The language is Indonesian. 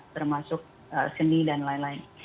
termasuk seni dan lain lain